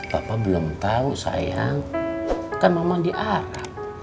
papa belum tau sayang kan mama di arab